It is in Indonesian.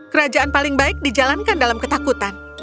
kerajaan paling baik dijalankan dalam ketakutan